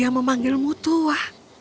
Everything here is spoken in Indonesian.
aku memanggilmu tua